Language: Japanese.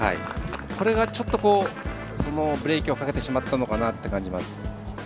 これがちょっとブレーキをかけてしまったのかなと感じます。